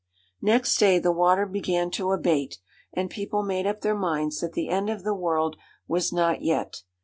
Next day the water began to abate, and people made up their minds that the end of the world was not yet.